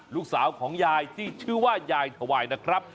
ลูกสาวของยายที่ชื่อว่ายายถวายนะครับ